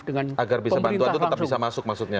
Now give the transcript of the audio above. dengan pemerintah langsung